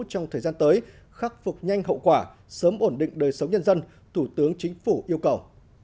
trong thời gian tới khắc phục nhanh hậu quả sớm ổn định đời sống nhân dân thủ tướng chính phủ yêu cầu